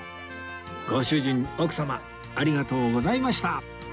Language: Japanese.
ご主人奥様ありがとうございました